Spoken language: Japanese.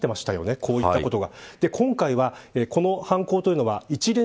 こうしたことが。